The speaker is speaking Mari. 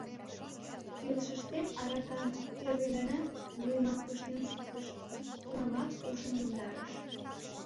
Илышыштем аракам первый гана... — вуйымак пыштен шуктыш, тунамак ушым йомдарыш.